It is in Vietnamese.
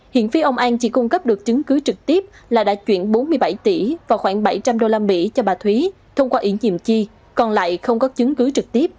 hiện phía ông an chỉ cung cấp được chứng cứ trực tiếp là đã chuyển bốn mươi bảy tỷ và khoảng bảy trăm linh usd cho bà thúy thông qua ý nhiệm chi còn lại không có chứng cứ trực tiếp